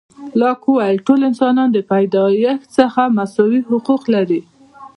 لاک وویل، ټول انسانان د پیدایښت څخه مساوي حقوق لري.